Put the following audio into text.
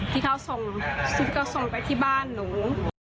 ที่เขาส่งไปที่บ้านหนู